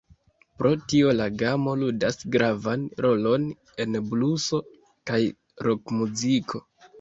Pro tio la gamo ludas gravan rolon en bluso kaj rokmuziko.